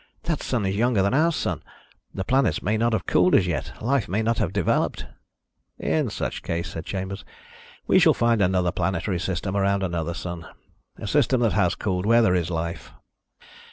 "That sun is younger than our Sun. The planets may not have cooled as yet. Life may not have developed." "In such a case," said Chambers, "we shall find another planetary system around another sun. A system that has cooled, where there is life."